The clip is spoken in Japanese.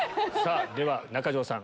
では中条さん